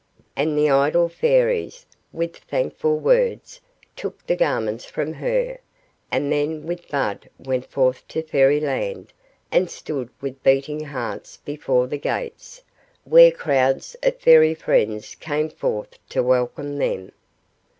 And the idle Fairies, with thankful words, took the garments from her, and then with Bud went forth to Fairy Land, and stood with beating hearts before the gates; where crowds of Fairy friends came forth to welcome them.